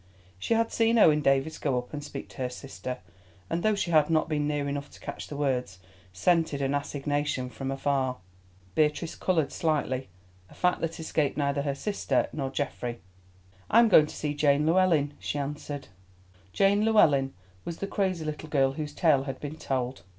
She had seen Owen Davies go up and speak to her sister, and though she had not been near enough to catch the words, scented an assignation from afar. Beatrice coloured slightly, a fact that escaped neither her sister nor Geoffrey. "I am going to see Jane Llewellyn," she answered. Jane Llewellyn was the crazy little girl whose tale has been told.